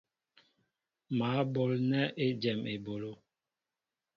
Mă ɓolnέ ejém ebolo.